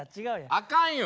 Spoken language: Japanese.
あかんよ。